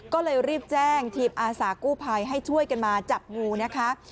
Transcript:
ก็เลยรีบแจ้งทีมอาสากู้ภัยให้ช่วยกันมาจับงูนะคะ